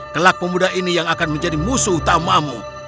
kelak pemuda ini yang akan menjadi musuh utamamu